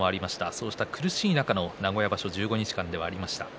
そうした苦しい中の名古屋場所、１５日間でした。